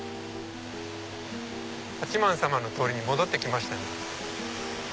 八幡様の通りに戻って来ましたね。